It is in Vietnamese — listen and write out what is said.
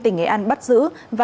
tỉnh nghệ an bắt giữ